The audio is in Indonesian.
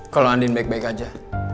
kalau andin baik baik aja